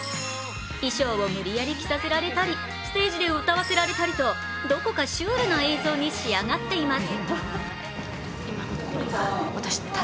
衣装を無理やり着させられたりステージで歌わされたりとどこかシュールな映像に仕上がっています。